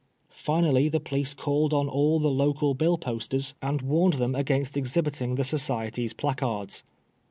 Finally the police called on all the local bill posters THE STOBM BBEWING. 25 and warned them against exhibiting the Society's placards.